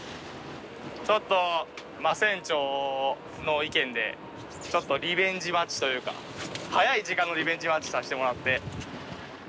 ちょっと船長の意見でちょっとリベンジマッチというか早い時間のリベンジマッチさせてもらって。